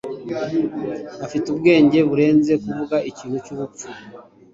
Afite ubwenge burenze kuvuga ikintu cyubupfu.